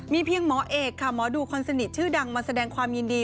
เพียงหมอเอกค่ะหมอดูคนสนิทชื่อดังมาแสดงความยินดี